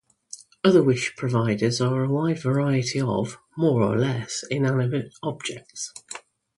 Other wish providers are a wide variety of, more or less, inanimate objects.